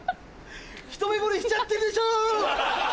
ひと目ぼれしちゃったでしょ！